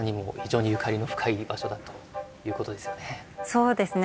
そうですね。